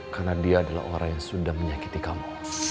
karena dia adalah orang yang sudah menyakiti kamu